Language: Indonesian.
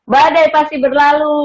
badai pasti berlalu